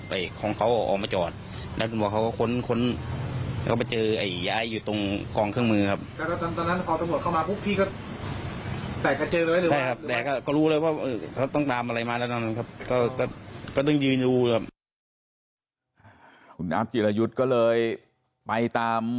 แต่เขาออกมาจอดครั้งนั้นเขาก็ไปเจอยายอยู่ตรงกลองเครื่องมือครับ